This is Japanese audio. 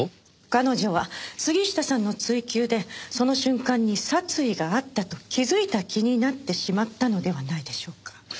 彼女は杉下さんの追及でその瞬間に殺意があったと気づいた気になってしまったのではないでしょうか？